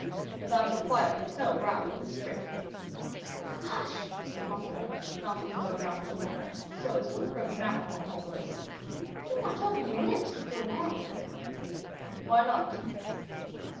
"That I shall quietly tell Raoul of the trick." "Hush!" said Montalais, mounting another round of the ladder, so as to approach Malicorne more closely, "do not open your lips to poor Raoul." "Why not?"